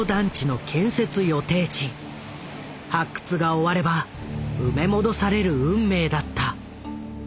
発掘が終われば埋め戻される運命だった。